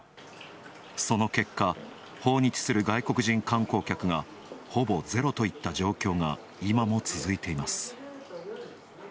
その結果、訪日する外国人観光客がほぼゼロといった状況が今も続いています。